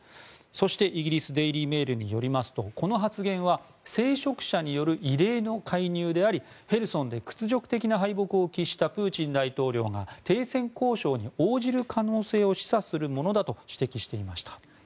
そしてイギリスデイリー・メールによりますとこの発言は聖職者による異例の介入でありヘルソンで屈辱的な敗北を喫したプーチン大統領が停戦交渉に応じる可能性を示唆するものだと指摘していました。